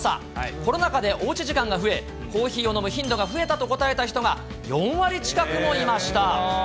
コロナ禍でおうち時間が増え、コーヒーを飲む頻度が増えたという方が４割近くもいました。